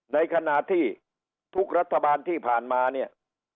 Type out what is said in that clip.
ในขณะที่ทุกรัฐบาลที่ผ่านมาเนี่ย